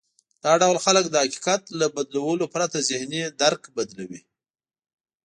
دا ډول خلک د حقيقت له بدلولو پرته ذهني درک بدلوي.